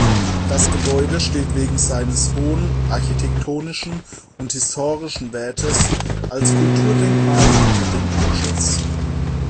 Das Gebäude steht wegen seines hohen architektonischen und historischen Wertes als Kulturdenkmal unter Denkmalschutz.